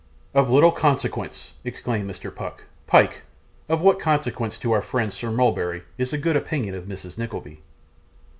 'Of little consequence!' exclaimed Mr. Pluck. 'Pyke, of what consequence to our friend, Sir Mulberry, is the good opinion of Mrs. Nickleby?